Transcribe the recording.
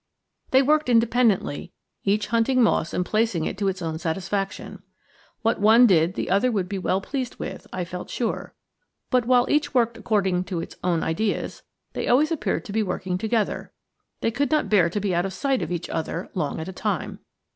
They worked independently, each hunting moss and placing it to its own satisfaction. What one did the other would be well pleased with, I felt sure. But while each worked according to its own ideas, they always appeared to be working together; they could not bear to be out of sight of each other long at a time.